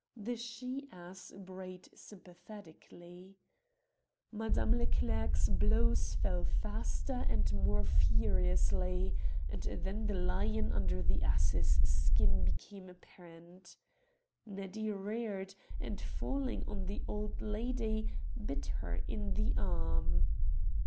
The she ass brayed sympathetically. Madame Leclerc's blows fell faster and more furiously, and then the lion under the ass's skin 208 The Jackass of Vanvres became apparent. Neddy reared, and falling on the old lady, bit her in the arm.